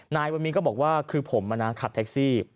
นายวันนี้ก็บอกว่าคือผมขับแท็กซี่